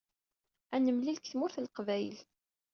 Ad nemlil deg Tmurt n Leqbayel.